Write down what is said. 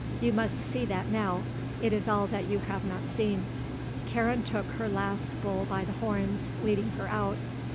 You must see that now; it is all that you have not seen." Karen took her last bull by the horns, leading her out.